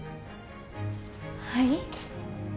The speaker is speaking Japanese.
はい？